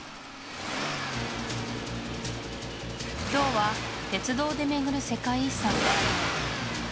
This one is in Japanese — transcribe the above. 今日は鉄道で巡る世界遺産